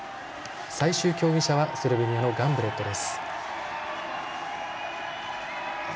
最終競技者はスロベニアのガンブレットです。